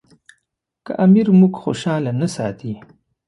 که امیر موږ خوشاله نه ساتي.